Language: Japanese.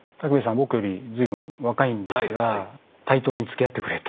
僕より随分若いんですが対等につきあってくれて。